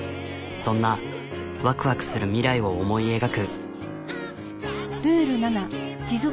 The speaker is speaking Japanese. そんなワクワクする未来を思い描く。